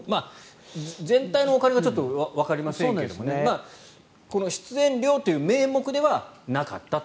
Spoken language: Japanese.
全体のお金はわかりませんけどこの出演料という名目ではなかったと。